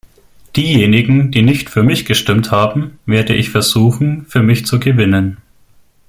Diejenigen, die nicht für mich gestimmt haben, werde ich versuchen, für mich zu gewinnen.